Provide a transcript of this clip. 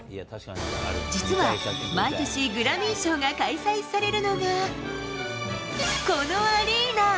実は毎年、グラミー賞が開催されるのが、このアリーナ。